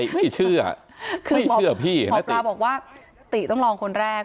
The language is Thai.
ไม่เชื่อคือไม่เชื่อพี่เห็นไหมหมอปลาบอกว่าติต้องลองคนแรก